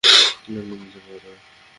আমি নিজেকে বাঁচাবো।